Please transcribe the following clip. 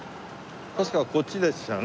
確かこっちでしたね。